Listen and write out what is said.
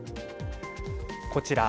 こちら。